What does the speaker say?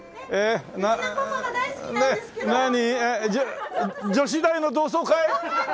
女子大の同窓会？